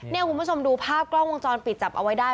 นี่คุณผู้ชมดูภาพกล้องวงจรปิดจับเอาไว้ได้